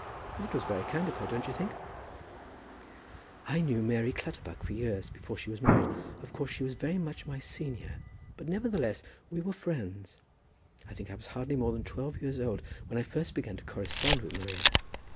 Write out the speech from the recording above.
"It was very kind of her; don't you think so?" "I knew Maria Clutterbuck for years before she was married. Of course she was very much my senior, but, nevertheless, we were friends. I think I was hardly more than twelve years old when I first began to correspond with Maria.